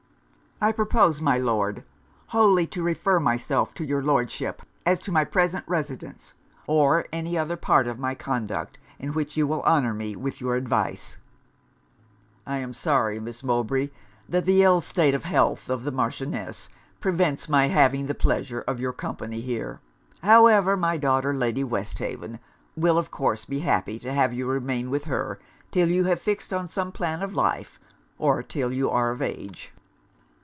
'I propose, my Lord, wholly to refer myself to your Lordship as to my present residence, or any other part of my conduct in which you will honour me with your advice.' 'I am sorry, Miss Mowbray, that the ill state of health of the Marchioness prevents my having the pleasure of your company here. However my daughter, Lady Westhaven, will of course be happy to have you remain with her till you have fixed on some plan of life, or till you are of age.'